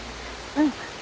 うん。